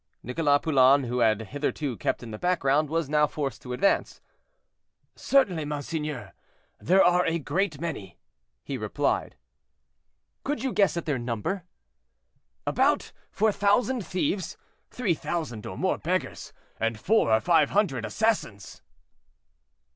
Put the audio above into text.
Nicholas Poulain, who had hitherto kept in the background, was now forced to advance. "Certainly, monseigneur, there are a great many," he replied. "Could you guess at their number?" "About four thousand thieves, three thousand or more beggars, and four or five hundred assassins."